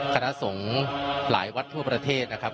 คณะสงฆ์หลายวัดทั่วประเทศนะครับ